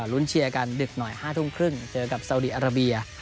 ลุ้นเชียร์กันดึกหน่อย๕๓๐เจอกับสาวีอาราเบีย